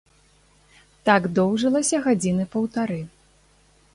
Так доўжылася гадзіны паўтары.